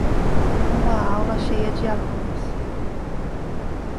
Uma aula cheia de alunos.